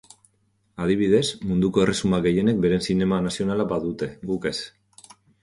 Adibidez, munduko erresuma gehienek beren zinema nazionala badute, guk ez.